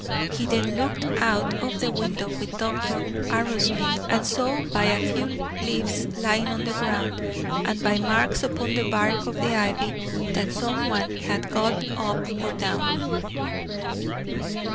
He then looked out of the window with Dr. Arrowsmith, and saw by a few leaves lying on the ground, and by marks upon the bark of the ivy, that some one had got up or down.